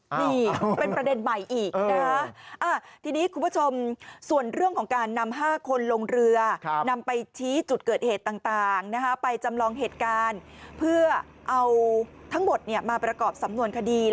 ให้ใบพัดใหม่ดังอ้าวอ้าวอ้าวอ้าวอ้าวอ้าวอ้าวอ้าวอ้าว